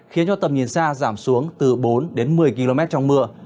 khiến cho tầm nhìn xa giảm xuống từ bốn đến một mươi km trong mưa